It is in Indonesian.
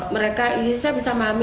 mereka saya bisa memahami